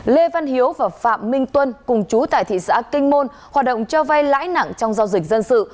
lê văn hiếu và phạm minh tuân cùng chú tại thị xã kinh môn hoạt động cho vay lãi nặng trong giao dịch dân sự